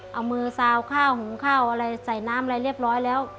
เอามือซาวข้าวหุงข้าวอะไรใส่น้ำอะไรเรียบร้อยแล้ว